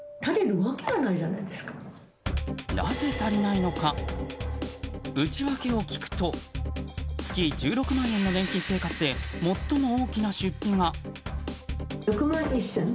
なぜ足りないのか内訳を聞くと月１６万円の年金生活で最も大きな出費が。